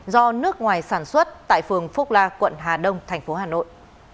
do nước ngoài sản xuất tại phường phúc la quận hà đông tp hà nội